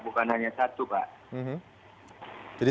bukan hanya satu pak